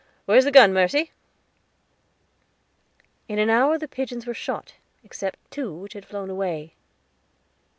Where's the gun, Mercy?" In an hour the pigeons were shot, except two which had flown away.